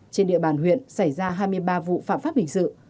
trên địa bàn huyện xảy ra hai mươi ba vụ phạm pháp hình sự